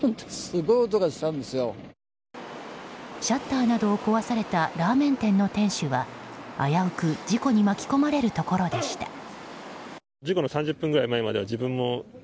シャッターなどを壊されたラーメン店の店主は危うく事故に巻き込まれるところでした。